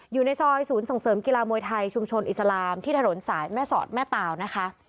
อยู่ในซอยศูนย์ส่งเสริมกีฬามวยไทยชุมชนอิสลามที่ถนนสายแม่สอดแม่ตาวนะคะ